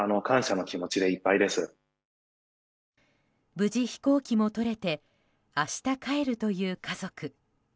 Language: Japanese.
無事、飛行機もとれて明日帰るという家族。